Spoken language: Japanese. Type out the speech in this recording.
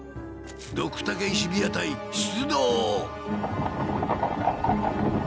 ドクタケ石火矢隊出動！